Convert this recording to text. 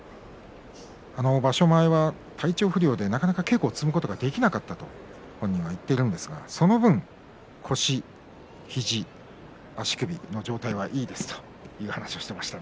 場所前は体調不良で、なかなか稽古を積むことができなかったと本人は言っているんですがその分、腰、肘、足首の状態はいいですと話していました。